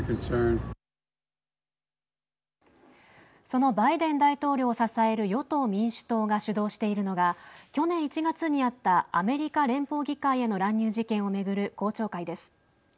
そのバイデン大統領を支える与党・民主党が主導しているのが去年１月にあったアメリカ連邦議会への乱入事件を巡る公聴会です。